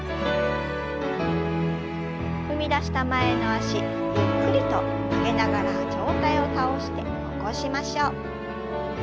踏み出した前の脚ゆっくりと曲げながら上体を倒して起こしましょう。